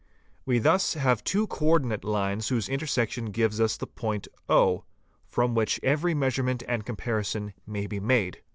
We thus have two co ordinate lines whose intersection gives us the point o from which every measurement and com parison may be made.